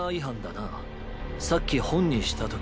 さっき「本にした時」